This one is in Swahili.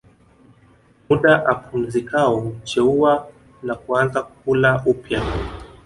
Muda apumzikao hucheua na kuanza kula upyaa